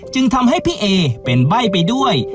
จึงทำให้พี่เอเป็นใบ้ไปด้วย